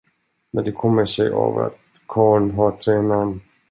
Men det kommer sig av att karlen har tre namn.